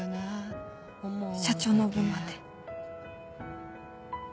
社長の分まで。